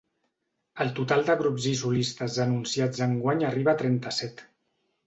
El total de grups i solistes anunciats enguany arriba a trenta-set.